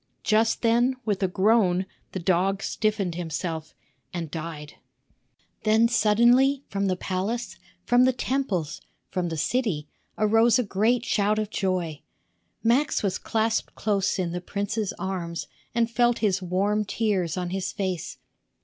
Just then, with a groan, the dog stiffened himself and died. Then suddenly, from the palace, from the temples, from the city, arose a great shout of joy. Max was clasped close in the prince's arms and felt his warm tears on his face.